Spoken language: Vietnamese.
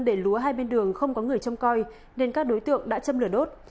để lúa hai bên đường không có người trông coi nên các đối tượng đã châm lửa đốt